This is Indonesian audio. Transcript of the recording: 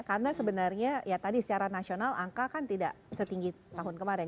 karena sebenarnya ya tadi secara nasional angka kan tidak setinggi tahun kemarin